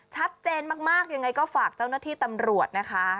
ชัดเจนมากยังไงก็ฝากเจ้าหน้าที่ตำรวจนะคะ